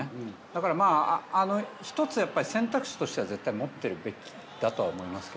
だから一つ選択肢としては持ってるべきだとは思います。